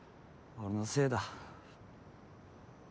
俺のせいだ。